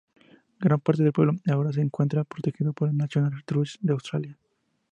Gran parte del pueblo ahora se encuentra protegido por el National Trust of Australia.